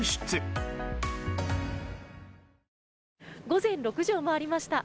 午前６時を回りました。